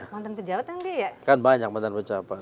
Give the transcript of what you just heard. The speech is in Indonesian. montan pejabat yang dekat kan banyak montan pejabat